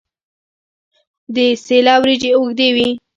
د سیله وریجې اوږدې وي.